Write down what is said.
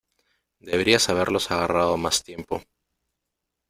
Deberías haberlos agarrado más tiempo.